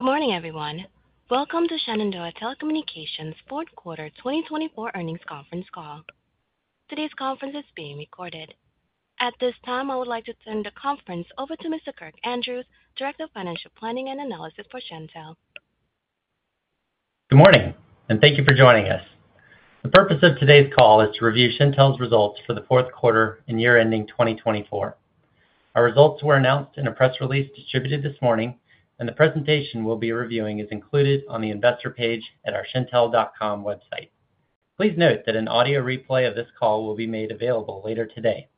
Good morning, everyone. Welcome to Shenandoah Telecommunications fourth quarter 2024 earnings conference call. Today's conference is being recorded. At this time, I would like to turn the conference over to Mr. Kirk Andrews, Director of Financial Planning and Analysis for Shentel. Good morning, and thank you for joining us. The purpose of today's call is to review Shentel's results for the fourth quarter and year-ending 2024. Our results were announced in a press release distributed this morning, and the presentation we'll be reviewing is included on the investor page at our shentel.com website. Please note that an audio replay of this call will be made available later today.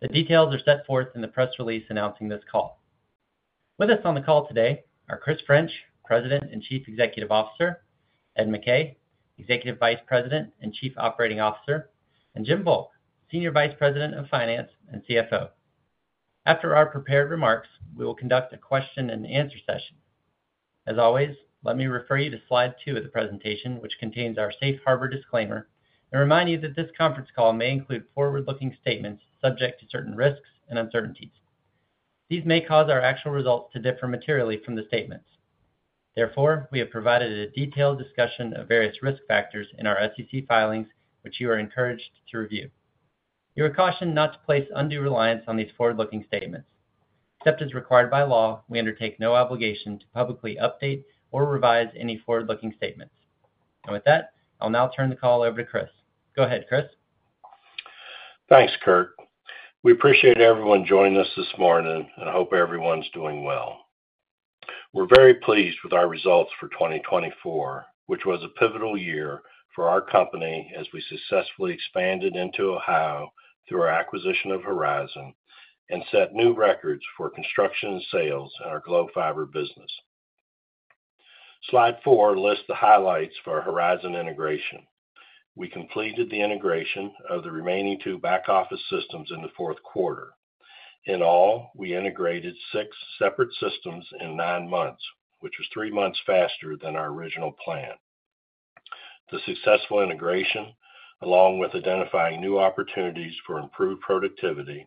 The details are set forth in the press release announcing this call. With us on the call today are Chris French, President and Chief Executive Officer, Ed McKay, Executive Vice President and Chief Operating Officer, and Jim Volk, Senior Vice President of Finance and CFO. After our prepared remarks, we will conduct a question-and-answer session. As always, let me refer you to slide two of the presentation, which contains our Safe Harbor disclaimer, and remind you that this conference call may include forward-looking statements subject to certain risks and uncertainties. These may cause our actual results to differ materially from the statements. Therefore, we have provided a detailed discussion of various risk factors in our SEC filings, which you are encouraged to review. You are cautioned not to place undue reliance on these forward-looking statements. Except as required by law, we undertake no obligation to publicly update or revise any forward-looking statements. And with that, I'll now turn the call over to Chris. Go ahead, Chris. Thanks, Kirk. We appreciate everyone joining us this morning and hope everyone's doing well. We're very pleased with our results for 2024, which was a pivotal year for our company as we successfully expanded into Ohio through our acquisition of Horizon and set new records for construction sales in our Glo Fiber business. Slide four lists the highlights for Horizon integration. We completed the integration of the remaining two back-office systems in the fourth quarter. In all, we integrated six separate systems in nine months, which was three months faster than our original plan. The successful integration, along with identifying new opportunities for improved productivity,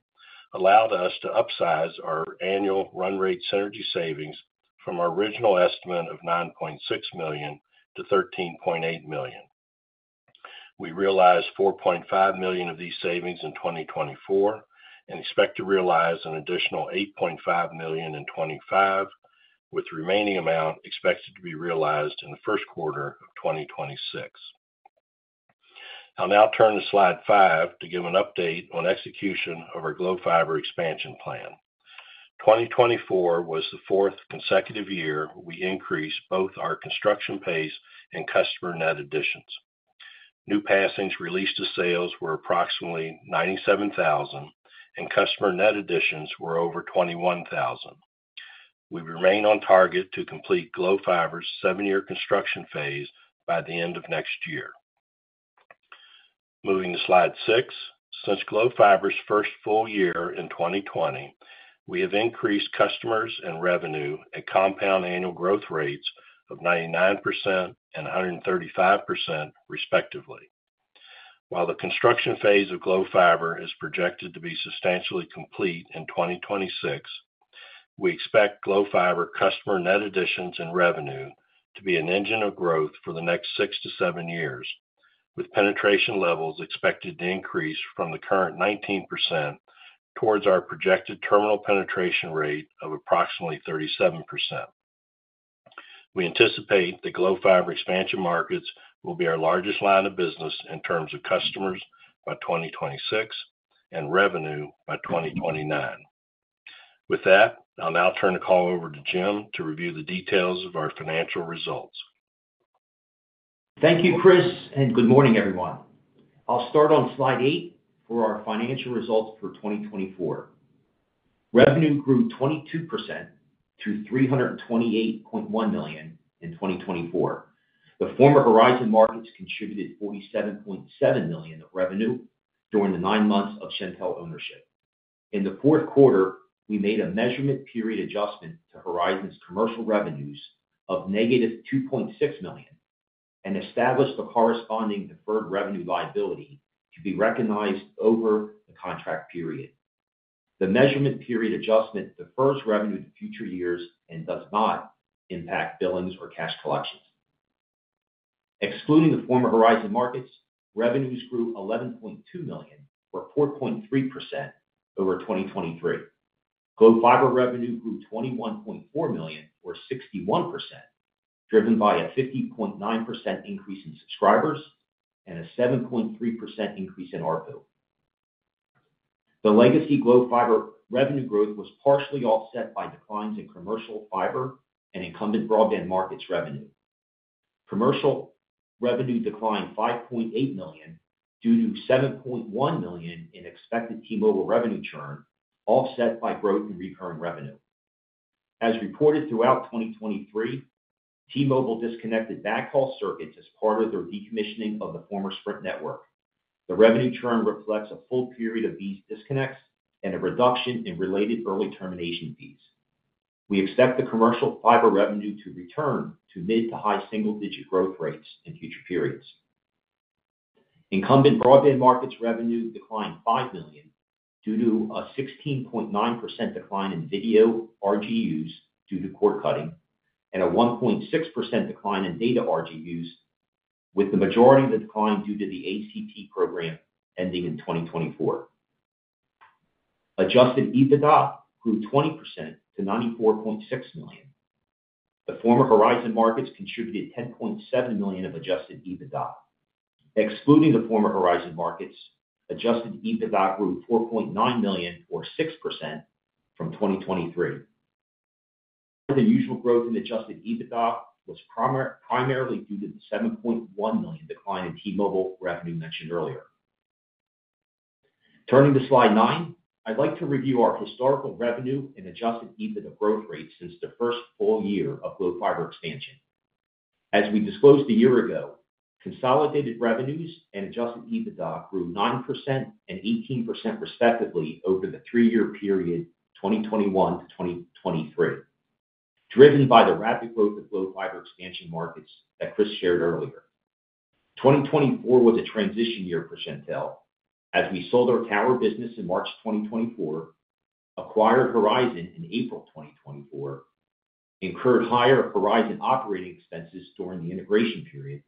allowed us to upsize our annual run rate synergy savings from our original estimate of $9.6 million to $13.8 million. We realized $4.5 million of these savings in 2024 and expect to realize an additional $8.5 million in 2025, with the remaining amount expected to be realized in the first quarter of 2026. I'll now turn to slide five to give an update on execution of our Glo Fiber expansion plan. 2024 was the fourth consecutive year we increased both our construction pace and customer net additions. New passings released to sales were approximately 97,000, and customer net additions were over 21,000. We remain on target to complete Glo Fiber's seven-year construction phase by the end of next year. Moving to slide six, since Glo Fiber's first full year in 2020, we have increased customers and revenue at compound annual growth rates of 99% and 135%, respectively. While the construction phase of Glo Fiber is projected to be substantially complete in 2026, we expect Glo Fiber customer net additions and revenue to be an engine of growth for the next six to seven years, with penetration levels expected to increase from the current 19% towards our projected terminal penetration rate of approximately 37%. We anticipate that Glo Fiber expansion markets will be our largest line of business in terms of customers by 2026 and revenue by 2029. With that, I'll now turn the call over to Jim to review the details of our financial results. Thank you, Chris, and good morning, everyone. I'll start on slide eight for our financial results for 2024. Revenue grew 22% to $328.1 million in 2024. The former Horizon markets contributed $47.7 million of revenue during the nine months of Shentel ownership. In the fourth quarter, we made a measurement period adjustment to Horizon's commercial revenues of -$2.6 million and established the corresponding deferred revenue liability to be recognized over the contract period. The measurement period adjustment defers revenue to future years and does not impact billings or cash collections. Excluding the former Horizon markets, revenues grew $11.2 million, or 4.3%, over 2023. Glo Fiber revenue grew $21.4 million, or 61%, driven by a 50.9% increase in subscribers and a 7.3% increase in ARPU. The legacy Glo Fiber revenue growth was partially offset by declines in commercial fiber and incumbent broadband markets revenue. Commercial revenue declined $5.8 million due to $7.1 million in expected T-Mobile revenue churn, offset by growth in recurring revenue. As reported throughout 2023, T-Mobile disconnected backhaul circuits as part of their decommissioning of the former Sprint network. The revenue churn reflects a full period of these disconnects and a reduction in related early termination fees. We expect the commercial fiber revenue to return to mid to high single-digit growth rates in future periods. Incumbent broadband markets revenue declined $5 million due to a 16.9% decline in video RGUs due to cord cutting and a 1.6% decline in data RGUs, with the majority of the decline due to the ACP program ending in 2024. Adjusted EBITDA grew 20% to $94.6 million. The former Horizon markets contributed $10.7 million of adjusted EBITDA. Excluding the former Horizon markets, adjusted EBITDA grew $4.9 million, or 6%, from 2023. The usual growth in adjusted EBITDA was primarily due to the $7.1 million decline in T-Mobile revenue mentioned earlier. Turning to slide nine, I'd like to review our historical revenue and adjusted EBITDA growth rates since the first full year of Glo Fiber expansion. As we disclosed a year ago, consolidated revenues and adjusted EBITDA grew 9% and 18%, respectively, over the three-year period 2021-2023, driven by the rapid growth of Glo Fiber expansion markets that Chris shared earlier. 2024 was a transition year for Shentel, as we sold our tower business in March 2024, acquired Horizon in April 2024, incurred higher Horizon operating expenses during the integration period,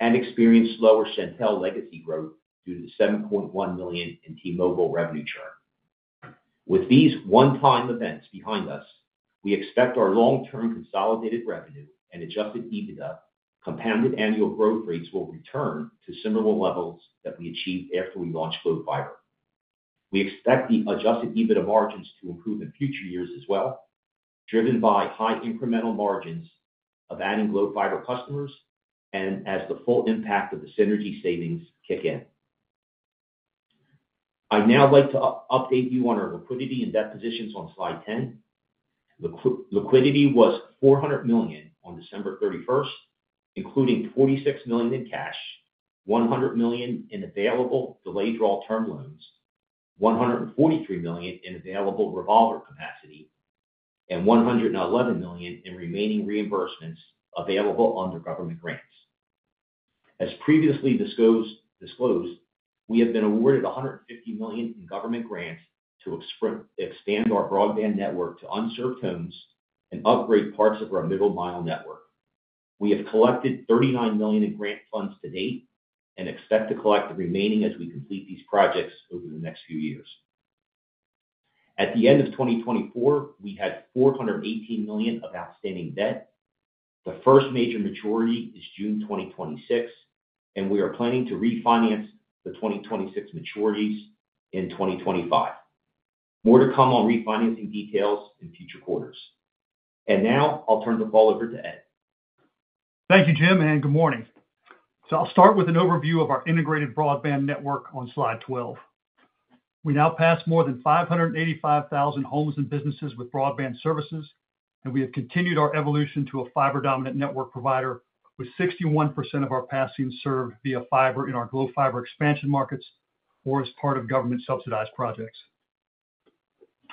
and experienced slower Shentel legacy growth due to the $7.1 million in T-Mobile revenue churn. With these one-time events behind us, we expect our long-term consolidated revenue and adjusted EBITDA compounded annual growth rates will return to similar levels that we achieved after we launched Glo Fiber. We expect the adjusted EBITDA margins to improve in future years as well, driven by high incremental margins of adding Glo Fiber customers and as the full impact of the synergy savings kick in. I'd now like to update you on our liquidity and debt positions on slide 10. Liquidity was $400 million on December 31st, including $46 million in cash, $100 million in available delayed draw term loans, $143 million in available revolver capacity, and $111 million in remaining reimbursements available under government grants. As previously disclosed, we have been awarded $150 million in government grants to expand our broadband network to unserved homes and upgrade parts of our middle-mile network. We have collected $39 million in grant funds to date and expect to collect the remaining as we complete these projects over the next few years. At the end of 2024, we had $418 million of outstanding debt. The first major maturity is June 2026, and we are planning to refinance the 2026 maturities in 2025. More to come on refinancing details in future quarters. And now I'll turn the call over to Ed. Thank you, Jim, and good morning. So I'll start with an overview of our integrated broadband network on slide 12. We now pass more than 585,000 homes and businesses with broadband services, and we have continued our evolution to a fiber-dominant network provider, with 61% of our passings served via fiber in our Glo Fiber expansion markets or as part of government-subsidized projects.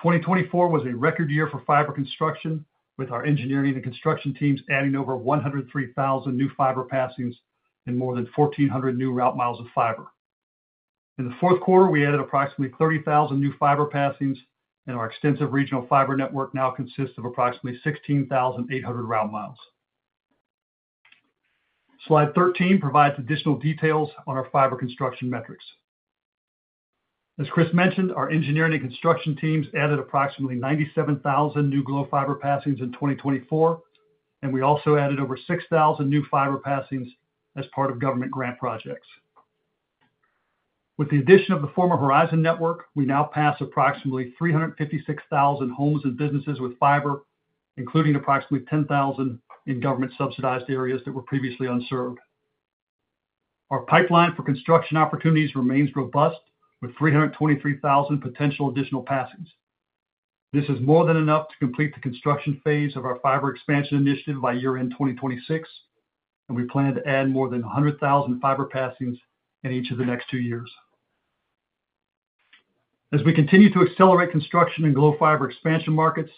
2024 was a record year for fiber construction, with our engineering and construction teams adding over 103,000 new fiber passings and more than 1,400 new route miles of fiber. In the fourth quarter, we added approximately 30,000 new fiber passings, and our extensive regional fiber network now consists of approximately 16,800 route miles. Slide 13 provides additional details on our fiber construction metrics. As Chris mentioned, our engineering and construction teams added approximately 97,000 new Glo Fiber passings in 2024, and we also added over 6,000 new fiber passings as part of government grant projects. With the addition of the former Horizon network, we now pass approximately 356,000 homes and businesses with fiber, including approximately 10,000 in government-subsidized areas that were previously unserved. Our pipeline for construction opportunities remains robust, with 323,000 potential additional passings. This is more than enough to complete the construction phase of our fiber expansion initiative by year-end 2026, and we plan to add more than 100,000 fiber passings in each of the next two years. As we continue to accelerate construction in Glo Fiber expansion markets,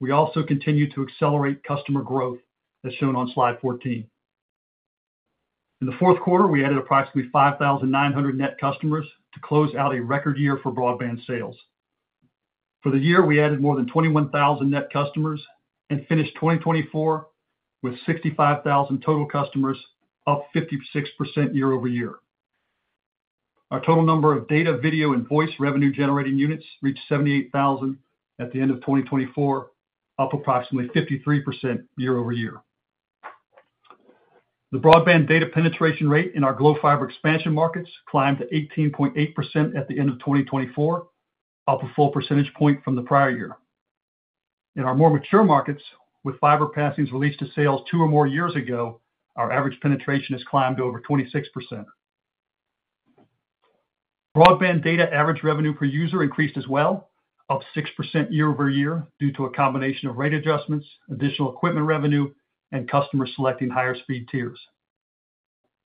we also continue to accelerate customer growth, as shown on slide 14. In the fourth quarter, we added approximately 5,900 net customers to close out a record year for broadband sales. For the year, we added more than 21,000 net customers and finished 2024 with 65,000 total customers, up 56% year-over-year. Our total number of data, video, and voice revenue-generating units reached 78,000 at the end of 2024, up approximately 53% year-over-year. The broadband data penetration rate in our Glo Fiber expansion markets climbed to 18.8% at the end of 2024, up a full percentage point from the prior year. In our more mature markets, with fiber passings released to sales two or more years ago, our average penetration has climbed to over 26%. Broadband data average revenue per user increased as well, up 6% year-over-year due to a combination of rate adjustments, additional equipment revenue, and customers selecting higher speed tiers.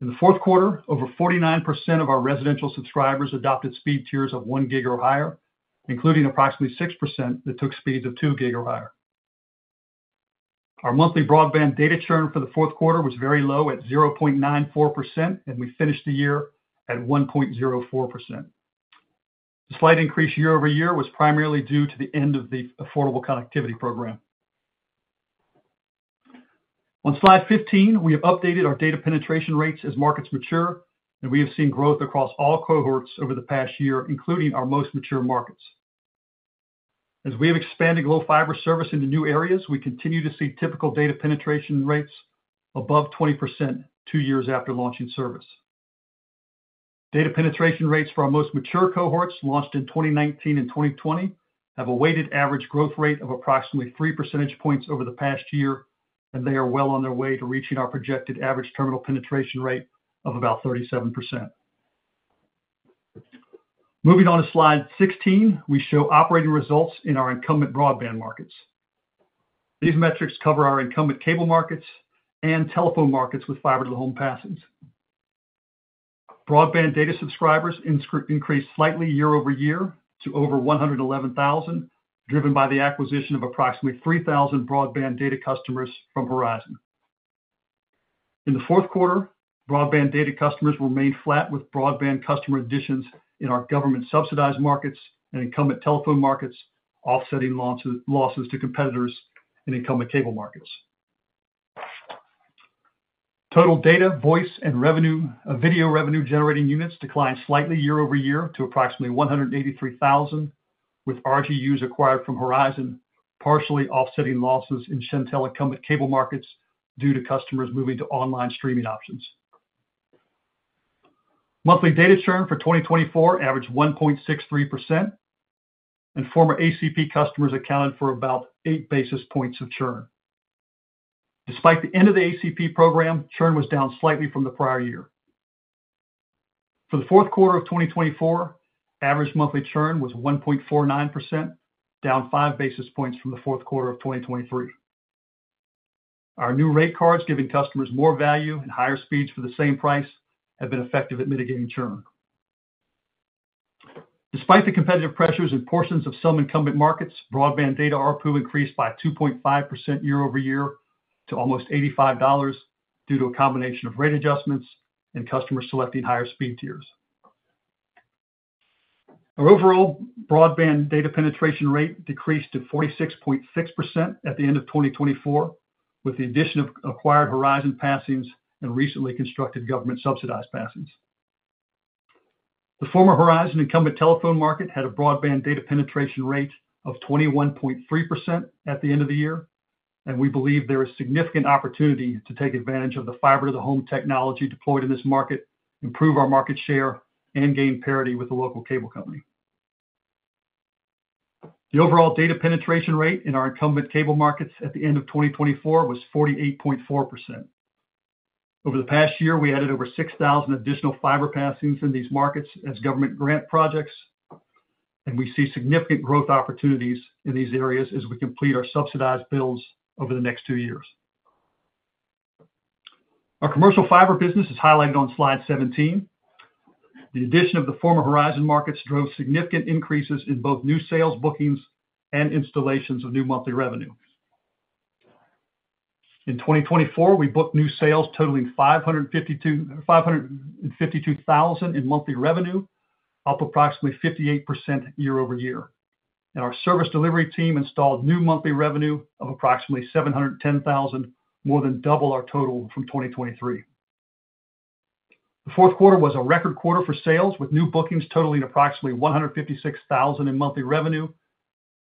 In the fourth quarter, over 49% of our residential subscribers adopted speed tiers of 1 gig or higher, including approximately 6% that took speeds of 2 gig or higher. Our monthly broadband data churn for the fourth quarter was very low at 0.94%, and we finished the year at 1.04%. The slight increase year-over-year was primarily due to the end of the Affordable Connectivity Program. On slide 15, we have updated our data penetration rates as markets mature, and we have seen growth across all cohorts over the past year, including our most mature markets. As we have expanded Glo Fiber service into new areas, we continue to see typical data penetration rates above 20% two years after launching service. Data penetration rates for our most mature cohorts launched in 2019 and 2020 have a weighted average growth rate of approximately 3 percentage points over the past year, and they are well on their way to reaching our projected average terminal penetration rate of about 37%. Moving on to slide 16, we show operating results in our incumbent broadband markets. These metrics cover our incumbent cable markets and telephone markets with fiber-to-the-home passings. Broadband data subscribers increased slightly year-over-year to over 111,000, driven by the acquisition of approximately 3,000 broadband data customers from Horizon. In the fourth quarter, broadband data customers remained flat with broadband customer additions in our government-subsidized markets and incumbent telephone markets, offsetting losses to competitors in incumbent cable markets. Total data, voice, and video revenue-generating units declined slightly year-over-year to approximately 183,000, with RGUs acquired from Horizon partially offsetting losses in Shentel incumbent cable markets due to customers moving to online streaming options. Monthly data churn for 2024 averaged 1.63%, and former ACP customers accounted for about 8 basis points of churn. Despite the end of the ACP program, churn was down slightly from the prior year. For the fourth quarter of 2024, average monthly churn was 1.49%, down 5 basis points from the fourth quarter of 2023. Our new rate cards, giving customers more value and higher speeds for the same price, have been effective at mitigating churn. Despite the competitive pressures in portions of some incumbent markets, broadband data ARPU increased by 2.5% year-over-year to almost $85 due to a combination of rate adjustments and customers selecting higher speed tiers. Our overall broadband data penetration rate decreased to 46.6% at the end of 2024, with the addition of acquired Horizon passings and recently constructed government-subsidized passings. The former Horizon incumbent telephone market had a broadband data penetration rate of 21.3% at the end of the year, and we believe there is significant opportunity to take advantage of the fiber-to-the-home technology deployed in this market, improve our market share, and gain parity with the local cable company. The overall data penetration rate in our incumbent cable markets at the end of 2024 was 48.4%. Over the past year, we added over 6,000 additional fiber passings in these markets as government grant projects, and we see significant growth opportunities in these areas as we complete our subsidized builds over the next two years. Our commercial fiber business is highlighted on slide 17. The addition of the former Horizon markets drove significant increases in both new sales bookings and installations of new monthly revenue. In 2024, we booked new sales totaling $552,000 in monthly revenue, up approximately 58% year-over-year. Our service delivery team installed new monthly revenue of approximately $710,000, more than double our total from 2023. The fourth quarter was a record quarter for sales, with new bookings totaling approximately $156,000 in monthly revenue,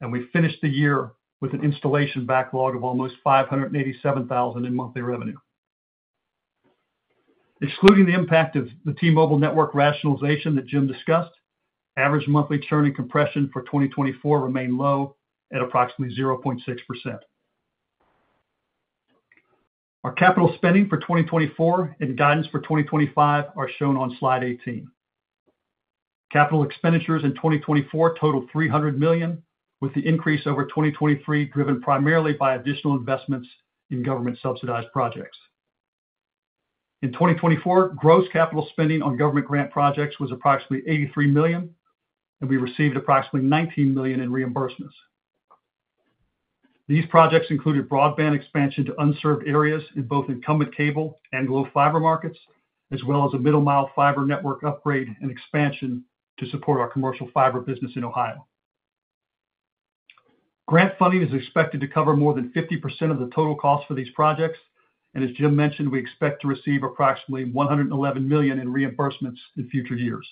and we finished the year with an installation backlog of almost $587,000 in monthly revenue. Excluding the impact of the T-Mobile network rationalization that Jim discussed, average monthly churn and compression for 2024 remained low at approximately 0.6%. Our capital spending for 2024 and guidance for 2025 are shown on slide 18. Capital expenditures in 2024 totaled $300 million, with the increase over 2023 driven primarily by additional investments in government-subsidized projects. In 2024, gross capital spending on government grant projects was approximately $83 million, and we received approximately $19 million in reimbursements. These projects included broadband expansion to unserved areas in both incumbent cable and Glo Fiber markets, as well as a middle-mile fiber network upgrade and expansion to support our commercial fiber business in Ohio. Grant funding is expected to cover more than 50% of the total cost for these projects, and as Jim mentioned, we expect to receive approximately $111 million in reimbursements in future years.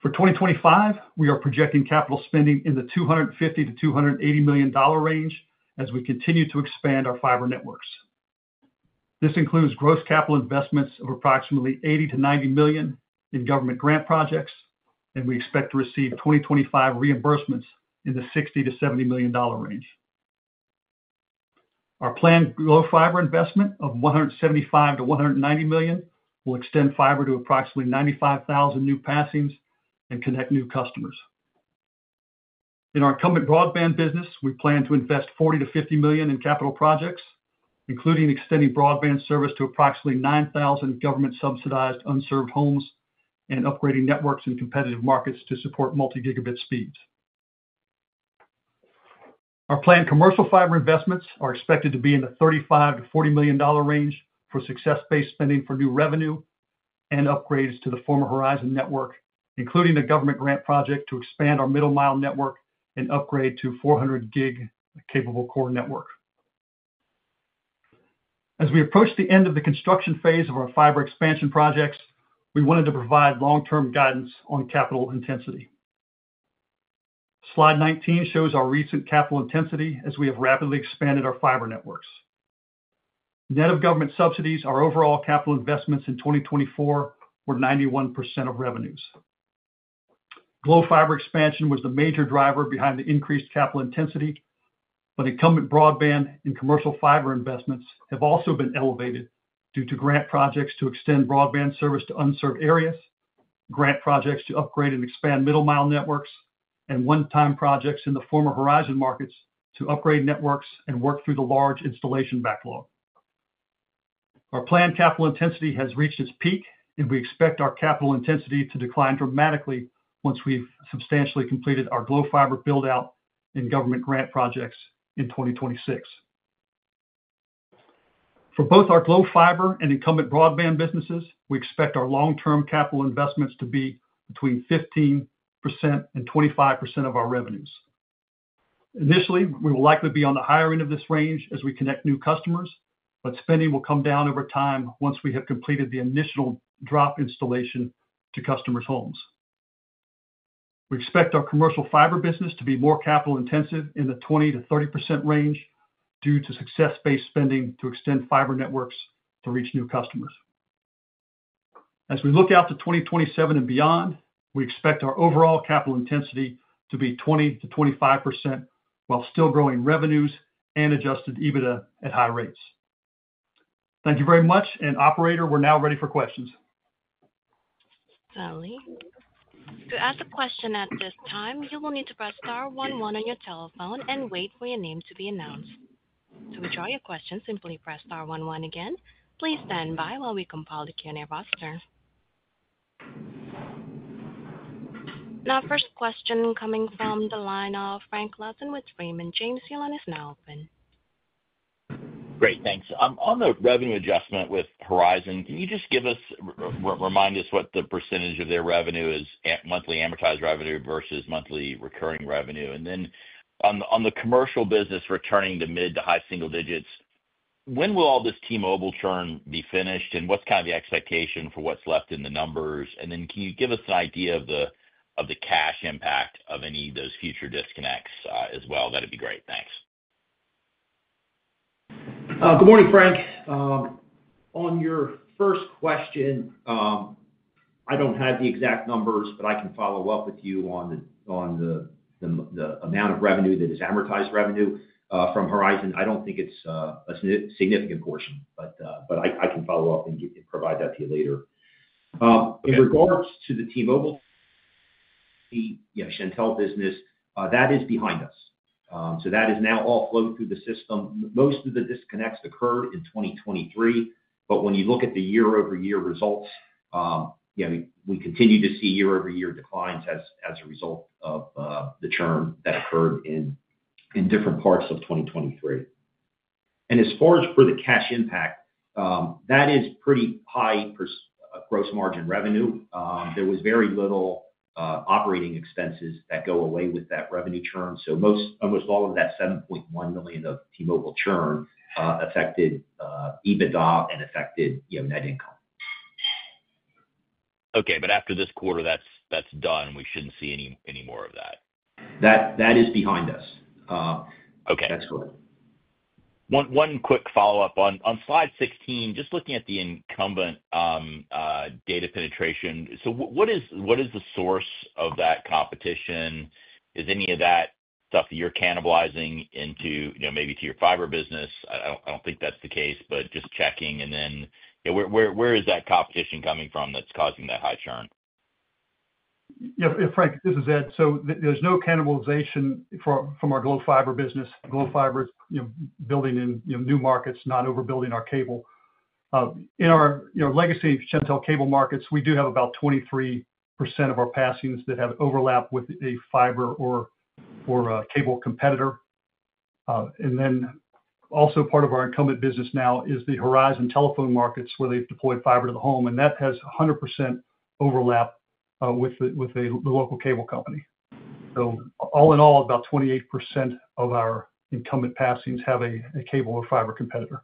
For 2025, we are projecting capital spending in the $250-$280 million range as we continue to expand our fiber networks. This includes gross capital investments of approximately $80-$90 million in government grant projects, and we expect to receive 2025 reimbursements in the $60-$70 million range. Our planned Glo Fiber investment of $175-$190 million will extend fiber to approximately 95,000 new passings and connect new customers. In our incumbent broadband business, we plan to invest $40-$50 million in capital projects, including extending broadband service to approximately 9,000 government-subsidized unserved homes and upgrading networks in competitive markets to support multi-gigabit speeds. Our planned commercial fiber investments are expected to be in the $35-$40 million range for success-based spending for new revenue and upgrades to the former Horizon network, including a government grant project to expand our middle-mile network and upgrade to 400-gig capable core network. As we approach the end of the construction phase of our fiber expansion projects, we wanted to provide long-term guidance on capital intensity. Slide 19 shows our recent capital intensity as we have rapidly expanded our fiber networks. Net of government subsidies, our overall capital investments in 2024 were 91% of revenues. Glo Fiber expansion was the major driver behind the increased capital intensity, but incumbent broadband and commercial fiber investments have also been elevated due to grant projects to extend broadband service to unserved areas, grant projects to upgrade and expand middle-mile networks, and one-time projects in the former Horizon markets to upgrade networks and work through the large installation backlog. Our planned capital intensity has reached its peak, and we expect our capital intensity to decline dramatically once we've substantially completed our Glo Fiber build-out and government grant projects in 2026. For both our Glo Fiber and incumbent broadband businesses, we expect our long-term capital investments to be between 15% and 25% of our revenues. Initially, we will likely be on the higher end of this range as we connect new customers, but spending will come down over time once we have completed the initial drop installation to customers' homes. We expect our commercial fiber business to be more capital-intensive in the 20%-30% range due to success-based spending to extend fiber networks to reach new customers. As we look out to 2027 and beyond, we expect our overall capital intensity to be 20%-25% while still growing revenues and adjusted EBITDA at high rates. Thank you very much, and Operator, we're now ready for questions. Sorry. To ask a question at this time, you will need to press star one one on your telephone and wait for your name to be announced. To withdraw your question, simply press star one one again. Please stand by while we compile the Q&A roster. Now, first question coming from the line of Frank Louthan with Raymond James. The line is now open. Great, thanks. On the revenue adjustment with Horizon, can you just give us, remind us what the percentage of their revenue is, monthly amortized revenue versus monthly recurring revenue? And then on the commercial business returning to mid to high single digits, when will all this T-Mobile churn be finished, and what's kind of the expectation for what's left in the numbers? And then can you give us an idea of the cash impact of any of those future disconnects as well? That'd be great. Thanks. Good morning, Frank. On your first question, I don't have the exact numbers, but I can follow up with you on the amount of revenue that is amortized revenue from Horizon. I don't think it's a significant portion, but I can follow up and provide that to you later. In regards to the T-Mobile, yeah, Shentel business, that is behind us. So that is now all flowing through the system. Most of the disconnects occurred in 2023, but when you look at the year-over-year results, we continue to see year-over-year declines as a result of the churn that occurred in different parts of 2023. And as far as for the cash impact, that is pretty high gross margin revenue. There was very little operating expenses that go away with that revenue churn. So almost all of that $7.1 million of T-Mobile churn affected EBITDA and affected net income. Okay, but after this quarter, that's done. We shouldn't see any more of that. That is behind us. Okay. That's correct. One quick follow-up. On slide 16, just looking at the incumbent data penetration, so what is the source of that competition? Is any of that stuff that you're cannibalizing into maybe to your fiber business? I don't think that's the case, but just checking. And then where is that competition coming from that's causing that high churn? Yeah, Frank, this is Ed. So there's no cannibalization from our Glo Fiber business. Glo Fiber is building in new markets, not overbuilding our cable. In our legacy Shentel cable markets, we do have about 23% of our passings that have overlap with a fiber or cable competitor. And then also part of our incumbent business now is the Horizon telephone markets where they've deployed fiber-to-the-home, and that has 100% overlap with the local cable company. So all in all, about 28% of our incumbent passings have a cable or fiber competitor.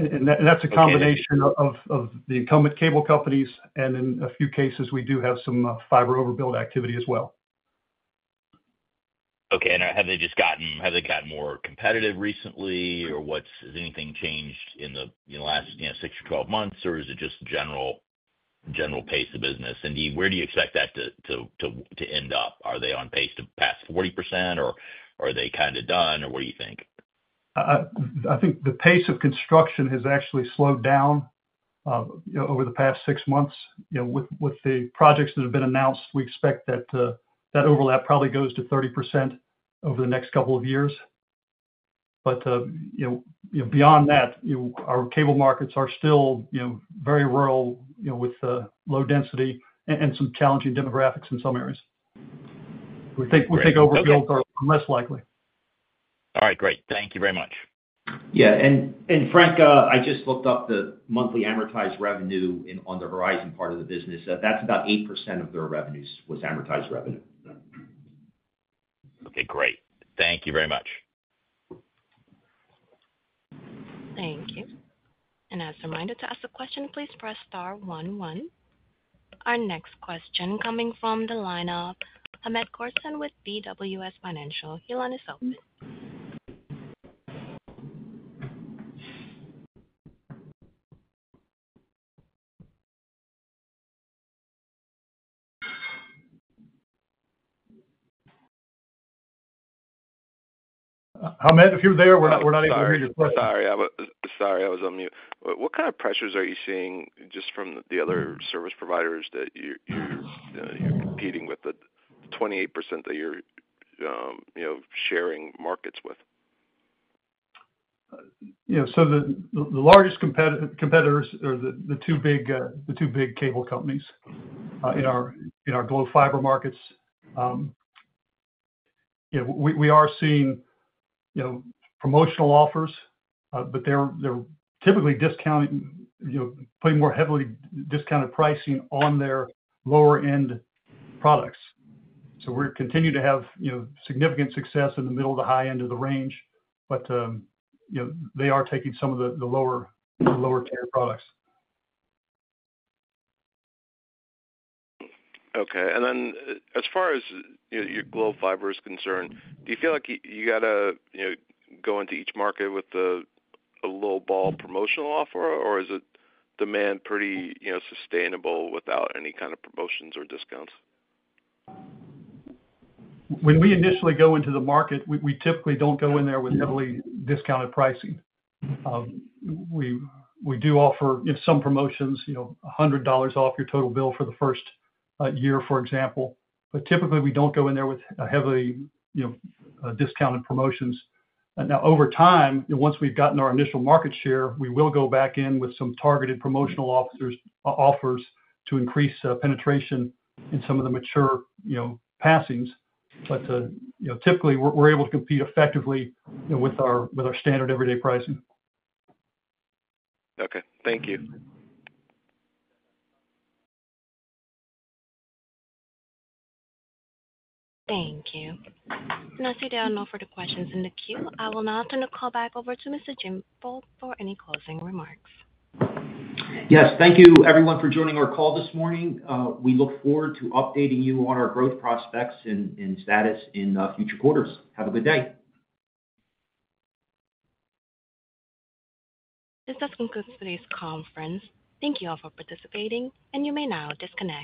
And that's a combination of the incumbent cable companies, and in a few cases, we do have some fiber overbuild activity as well. Okay, and have they just gotten more competitive recently, or has anything changed in the last six to 12 months, or is it just the general pace of business? And where do you expect that to end up? Are they on pace to pass 40%, or are they kind of done, or what do you think? I think the pace of construction has actually slowed down over the past six months. With the projects that have been announced, we expect that overlap probably goes to 30% over the next couple of years. But beyond that, our cable markets are still very rural with low density and some challenging demographics in some areas. We think overbuilds are less likely. All right, great. Thank you very much. Yeah, and Frank, I just looked up the monthly amortized revenue on the Horizon part of the business. That's about 8% of their revenues was amortized revenue. Okay, great. Thank you very much. Thank you. And as a reminder to ask a question, please press star one one. Our next question coming from the line of Hamed Khorsand with BWS Financial. The line is open. Hamed, if you're there, we're not able to hear your question. Sorry, sorry. I was on mute. What kind of pressures are you seeing just from the other service providers that you're competing with, the 28% that you're sharing markets with? So the largest competitors are the two big cable companies in our Glo Fiber markets. We are seeing promotional offers, but they're typically putting more heavily discounted pricing on their lower-end products. So we're continuing to have significant success in the middle to high end of the range, but they are taking some of the lower-tier products. Okay, and then as far as your Glo Fiber is concerned, do you feel like you got to go into each market with a low-ball promotional offer, or is the demand pretty sustainable without any kind of promotions or discounts? When we initially go into the market, we typically don't go in there with heavily discounted pricing. We do offer some promotions, $100 off your total bill for the first year, for example. But typically, we don't go in there with heavily discounted promotions. Now, over time, once we've gotten our initial market share, we will go back in with some targeted promotional offers to increase penetration in some of the mature passings. But typically, we're able to compete effectively with our standard everyday pricing. Okay, thank you. Thank you. And as we do have no further questions in the queue, I will now turn the call back over to Mr. Jim Volk for any closing remarks. Yes, thank you everyone for joining our call this morning. We look forward to updating you on our growth prospects and status in future quarters. Have a good day. This has concluded today's conference. Thank you all for participating, and you may now disconnect.